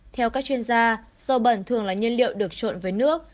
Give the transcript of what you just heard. theo các chuyên gia dầu bẩn thường là nhân liệu được trộn với nước